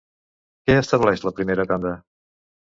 Què estableix la primera tanda?